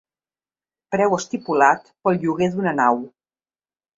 Preu estipulat pel lloguer d'una nau.